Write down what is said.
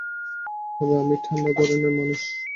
তবে আমি ঠাণ্ডা ধরনের মানুষ।